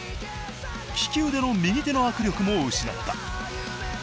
利き腕の右手の握力も失った。